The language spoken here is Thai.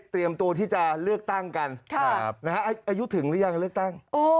เตรียมตัวที่จะเลือกตั้งกันอายุถึงหรือยังเลือกตั้ง